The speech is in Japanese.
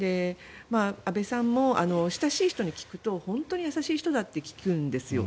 安倍さんも親しい人に聞くと本当に優しい人だって聞くんですよ。